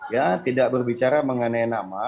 ya tidak berbicara mengenai nama